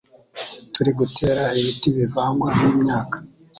turi gutera ibiti bivangwa n'imyaka